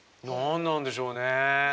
何なんでしょうね？